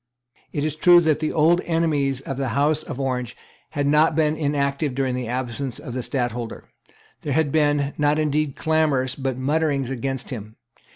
It is true that the old enemies of the House of Orange had not been inactive during the absence of the Stadtholder. There had been, not indeed clamours, but mutterings against him.